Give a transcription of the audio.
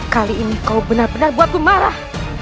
kali ini kau benar benar buatku marah